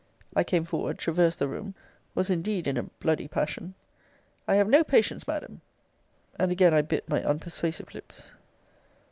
I came forward, traversed the room, was indeed in a bl dy passion. I have no patience, Madam! and again I bit my unpersuasive lips.